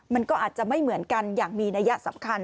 มันก็อาจจะไม่เหมือนกันอย่างมีนัยสำคัญ